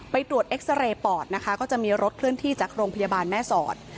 ไปตรวจเอ็กซาเรย์ปอดนะคะก็จะมีรถเคลื่อนที่จากโรงพยาบาลแม่สอด